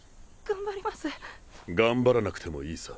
頑張らなくてもいいさ。